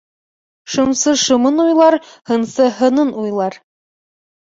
Шымсы шымын уйлар, һынсы һынын уйлар.